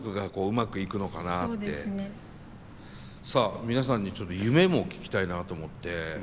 さあ皆さんにちょっと夢も聞きたいなと思って。